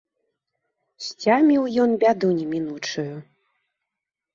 Сцяміў ён бяду немінучую.